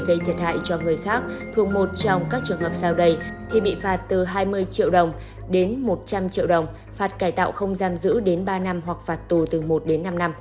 phạm tội thuộc một trong các trường hợp sau đây thì bị phạt tù từ sáu đến một mươi hai năm